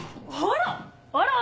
あら！